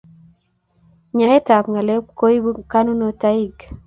Nyaet ab ngalek koibu kanunoitaik